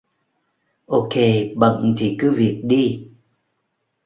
Ok bận thì cứ việc đi